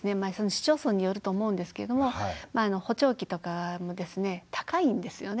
市町村によると思うんですけれども補聴器とかも高いんですよね。